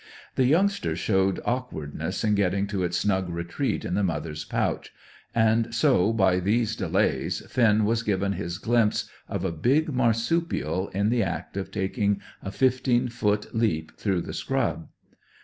The youngster showed awkwardness in getting to its snug retreat in the mother's pouch, and so, by these delays, Finn was given his glimpse of a big marsupial in the act of taking a fifteen foot leap through the scrub.